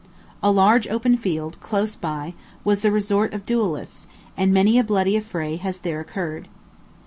A large open field, close by, was the resort of duellists, and many a bloody affray has there occurred.